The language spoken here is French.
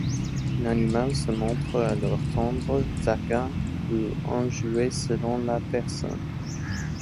L'animal se montre alors tendre, taquin ou enjoué selon la personne.